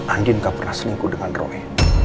andin gak pernah selingkuh dengan roh